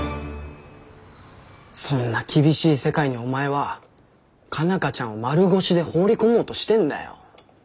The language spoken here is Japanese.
そんな厳しい世界にお前は佳奈花ちゃんを丸腰で放り込もうとしてんだよ。